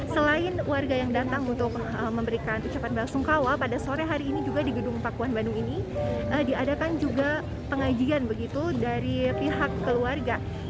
selain warga yang datang untuk memberikan ucapan bela sungkawa pada sore hari ini juga di gedung pakuan bandung ini diadakan juga pengajian begitu dari pihak keluarga